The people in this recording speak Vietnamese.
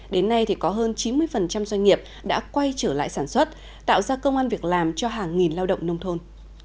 đến nay thì có hơn chín mươi doanh nghiệp đã quay trở lại sản xuất tạo ra công an việc làm cho hàng nghìn lao động nông thôn